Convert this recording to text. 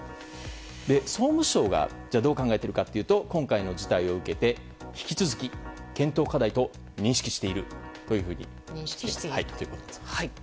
総務省がどう考えているかというと今回の事態を受けて引き続き検討課題と認識しているということです。